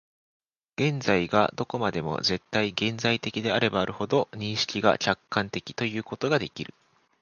現在がどこまでも絶対現在的であればあるほど、認識が客観的ということができる。